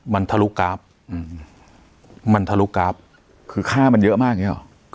มันทะลุกราฟอืมมันทะลุกราฟคือค่ามันเยอะมากอย่างเงี้หรอ